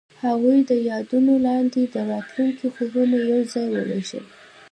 هغوی د یادونه لاندې د راتلونکي خوبونه یوځای هم وویشل.